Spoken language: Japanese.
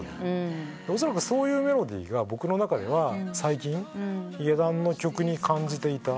おそらくそういうメロディーが僕の中では最近ヒゲダンの曲に感じていた。